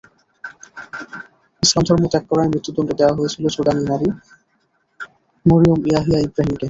ইসলাম ধর্ম ত্যাগ করায় মৃত্যুদণ্ড দেওয়া হয়েছিল সুদানি নারী মরিয়ম ইয়াহিয়া ইবরাহিমকে।